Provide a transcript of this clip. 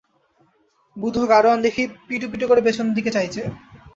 বুধো গাড়োয়ান দেখি পিটু পিটু করে পেছন দিকে চাইচে।